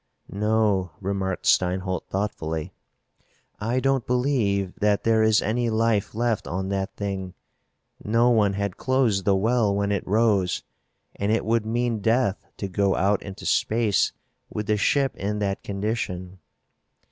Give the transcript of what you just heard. "No," remarked Steinholt thoughtfully. "I don't believe that there is any life left on that thing. No one had closed the well when it rose, and it would mean death to go out into space with the ship in that condition."